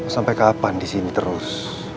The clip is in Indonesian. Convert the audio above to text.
sampai kapan di sini terus